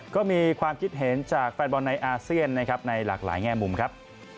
ก็มีความคิดเห็นจากแฟนบอลในอาเซียนนะครับในหลากหลายแง่มุมครับ